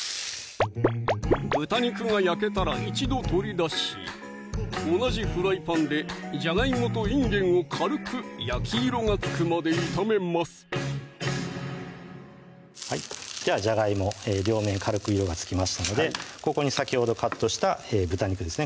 豚肉が焼けたら一度取り出し同じフライパンでじゃがいもといんげんを軽く焼き色がつくまで炒めますではじゃがいも両面軽く色がつきましたのでここに先ほどカットした豚肉ですね